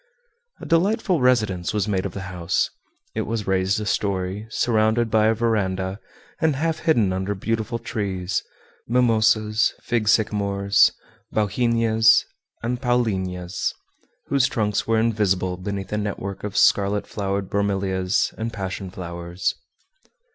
A delightful residence was made of the house; it was raised a story, surrounded by a veranda, and half hidden under beautiful trees mimosas, fig sycamores, bauhinias, and paullinias, whose trunks were invisible beneath a network of scarlet flowered bromelias and passion flowers.